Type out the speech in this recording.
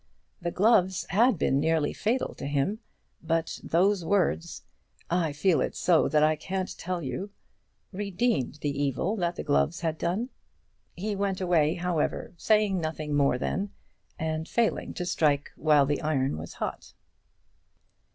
The gloves had been nearly fatal to him; but those words, "I feel it so that I can't tell you," redeemed the evil that the gloves had done. He went away, however, saying nothing more then, and failing to strike while the iron was hot.